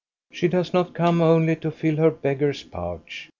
She does not come only to fill her beggar's pouch.